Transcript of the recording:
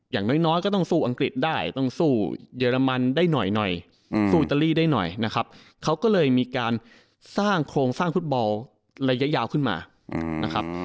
อย่างน้อยก็ต้องสู้อังกฤษได้ต้องสู้เยอรมันได้หน่อยสู้อิตาลีได้หน่อยนะครับเขาก็เลยมีการสร้างโครงสร้างฟุตบอลระยะยาวขึ้นมานะครับ